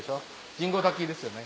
人工滝ですよね。